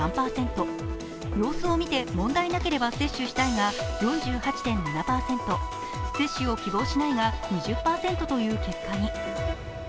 様子を見て問題なければ接種したいが４８．７％、接種を希望しないが２０％という結果に。